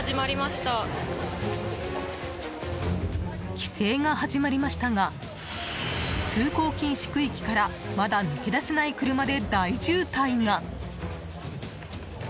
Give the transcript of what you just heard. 規制が始まりましたが通行禁止区域からまだ抜け出せない車で大渋滞が。